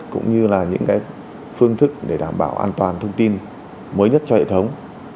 cũng như là những phương thức để đảm bảo an toàn thông tin mới nhất cho hệ thống